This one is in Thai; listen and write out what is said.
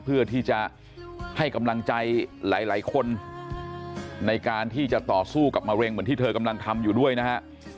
เพื่อที่จะให้กำลังใจหลายคนในการที่จะต่อสู้กับมะเร็งเหมือนที่เธอกำลังทำอยู่ด้วยนะฮะ